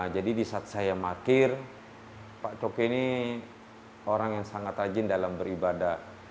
jadi di saat saya parkir pak coki ini orang yang sangat rajin dalam beribadah